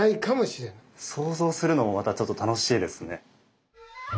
想像するのもまたちょっと楽しいですね。